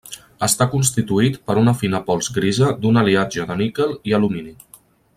Està constituït per una fina pols grisa d'un aliatge de níquel i d'alumini.